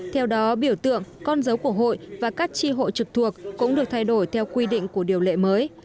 theo đó biểu tượng con dấu của hội và các tri hội trực thuộc cũng được thay đổi theo quy định của điều lệ mới